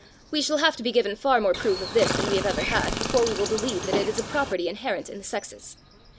We shall have to be given far more proof of this than we have ever had, before we will believe that it is a property inherent in the sexes.